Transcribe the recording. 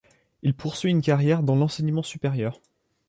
Il poursuit une carrière dans l'enseignement supérieur.